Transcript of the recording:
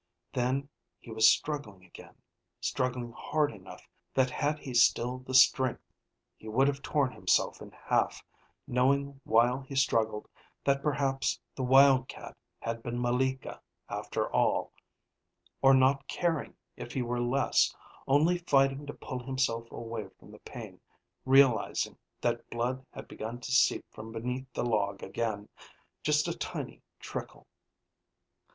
Then he was struggling again, struggling hard enough that had he still the strength, he would have torn himself in half, knowing while he struggled that perhaps the wildcat had been malika after all, or not caring if he were less, only fighting to pull himself away from the pain, realizing that blood had begun to seep from beneath the log again, just a tiny trickle.